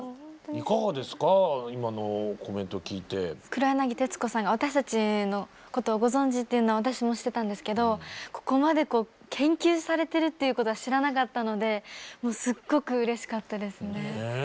黒柳徹子さんが私たちのことをご存じっていうのは私も知ってたんですけどここまで研究されてるっていうことは知らなかったのでもうすっごくうれしかったですね。